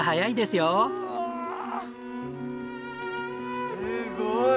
すごい！